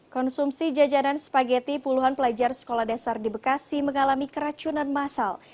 konsumsi jajanan spageti puluhan pelajar sekolah dasar di bekasi mengalami keracunan masal